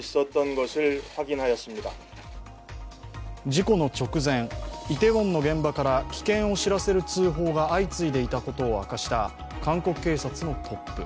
事故の直前、イテウォンの現場から危険を知らせる通報が相次いでいたことを明かした韓国警察のトップ。